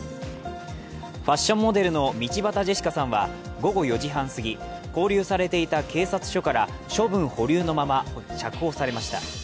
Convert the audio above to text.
ファッションモデルの道端ジェシカさんは午後４時半すぎ勾留されていた警察署から処分保留のまま釈放されました。